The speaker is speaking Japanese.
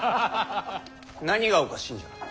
何がおかしいんじゃ。